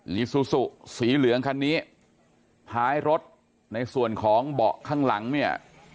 ีซูซูสีเหลืองคันนี้ท้ายรถในส่วนของเบาะข้างหลังเนี่ย